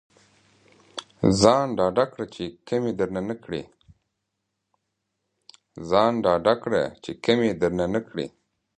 ځان ډاډه کړه چې کمې درنه نه کړي.